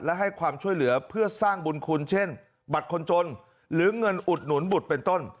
และให้ความช่วยเหลือเพื่อสร้างบุญคุณเช่นบัตรคนจนหรือเงินอุดหนุนบุตรเป็นต้น